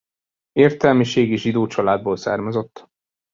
Értelmiségi zsidó családból származott.